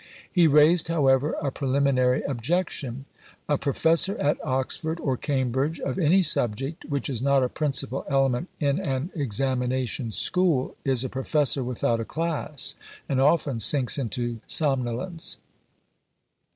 He raised, however, a preliminary objection. A Professor at Oxford or Cambridge of any subject which is not a principal element in an examination "School" is a Professor without a class, and often sinks into somnolence.